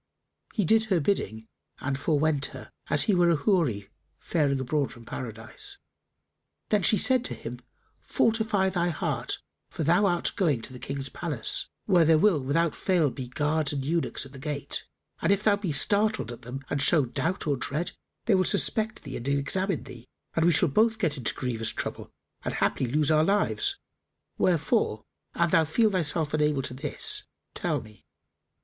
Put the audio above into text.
He did her bidding and forewent her, as he were a Houri faring abroad from Paradise. Then said she to him, "Fortify thy heart, for thou art going to the King's palace, where there will without fail be guards and eunuchs at the gate; and if thou be startled at them and show doubt or dread, they will suspect thee and examine thee, and we shall both get into grievous trouble and haply lose our lives: wherefore an thou feel thyself unable to this, tell me."